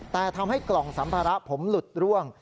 แต่ทำให้กล่องสัมภาระผมหลุดร่วง